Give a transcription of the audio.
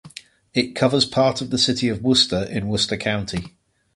It covers part of the city of Worcester in Worcester County.